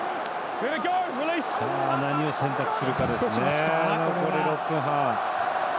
何を選択するかですね。